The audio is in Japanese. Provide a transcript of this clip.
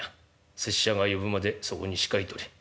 拙者が呼ぶまでそこに控えておれ。